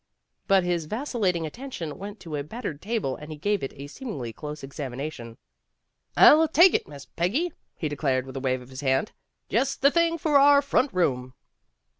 But his vacillating attention went to a battered table and he gave it a seem ingly close examination. "I'll take it, Miss Peggy," he declared with a wave of his hand, "Just the thing for our front room."